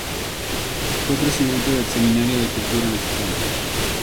Fue presidente del Seminario de Cultura Mexicana.